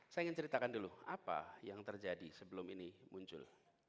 saya ingin ceritakan dulu apa yang terjadi sebelum ini muncul